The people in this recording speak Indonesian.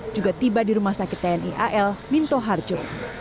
juga tiba di rumah sakit tni al minto harjo